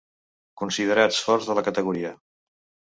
Considerats forts de la categoria.